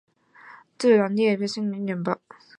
自然也就是傻子了。